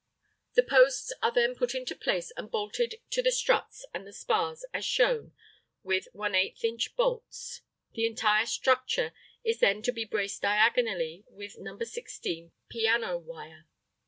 ] The posts are then put into place and bolted to the struts and the spars, as shown, with ⅛inch bolts. The entire structure is then to be braced diagonally with No. 16 piano wire.